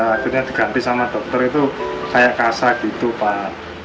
akhirnya diganti sama dokter itu kayak kasar gitu pak